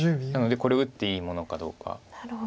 なのでこれを打っていいものかどうか。